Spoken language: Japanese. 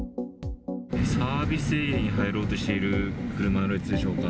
サービスエリアに入ろうとしている車の列でしょうか。